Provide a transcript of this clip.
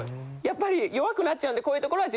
やっぱり弱くなっちゃうんでこういう所は。